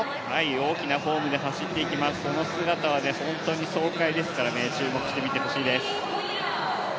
大きなフォームで走っていきます、その姿は本当に爽快ですから、本当に注目して見てほしいです。